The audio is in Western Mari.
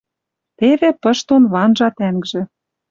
Теве пыш дон ванжа тӓнгжӹ